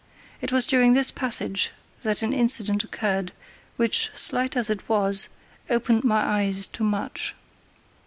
It was during this passage that an incident occurred, which, slight as it was, opened my eyes to much.